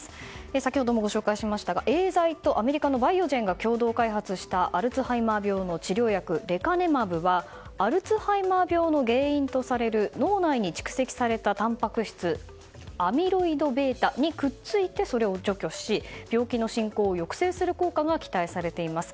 先ほどもご紹介しましたがエーザイとバイオジェンがアルツハイマー病の治療薬レカネマブはアルツハイマー病の原因とされる脳内に蓄積されたたんぱく質アミロイドβにくっついてそれを除去し、病気の進行を抑制する効果が期待されています。